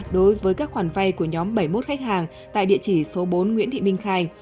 đối với các khoản vay của nhóm bảy mươi một khách hàng tại địa chỉ số bốn nguyễn thị minh khai